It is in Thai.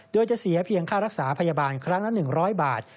โดยจะเสียเพียงค่ารักษาพยาบาลครั้งละ๑๐๐บาท